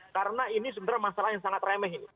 karena ini sebenarnya masalah yang sangat remeh